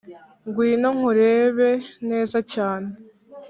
ngwino nkurebe neza cyane